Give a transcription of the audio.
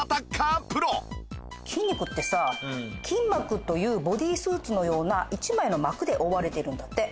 筋肉ってさ筋膜というボディースーツのような１枚の膜で覆われているんだって。